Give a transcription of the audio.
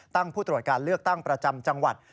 ผู้ตรวจการเลือกตั้งประจำจังหวัด